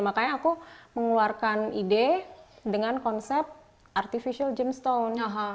makanya aku mengeluarkan ide dengan konsep artificial gemstone